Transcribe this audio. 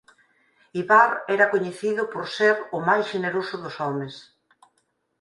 Ivar era coñecido por ser o máis xeneroso dos homes.